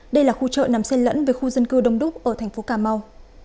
đây là khu chợ nằm xe lẫn về khu dân cư đông đúc ở thành phố cà mau